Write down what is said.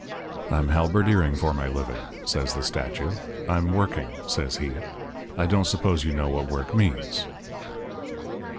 "'I'm halberdiering for my living,' says the stature. 'I'm working,' says he. 'I don't suppose you know what work means.'